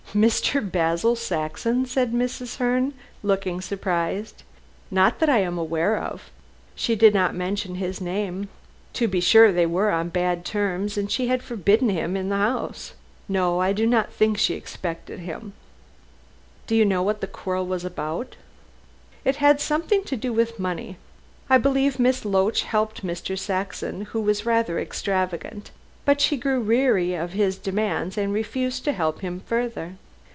"Mr. Basil Saxon?" said Mrs. Herne, looking surprised. "Not that I am aware of. She did not mention his name. To be sure, they were on bad terms, and she had forbidden him the house. No, I do not think she expected him." "Do you know the cause of the quarrel?" "It had something to do with money. I believe Miss Loach helped Mr. Saxon, who was rather extravagant, but she grew weary of his demands and refused to help him further.